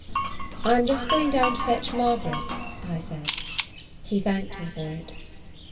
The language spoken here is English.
"I 'm just going down to fetch Margaret," I said. He thanked me for it.